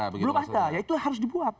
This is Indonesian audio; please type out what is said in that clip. belum ada ya itu harus dibuat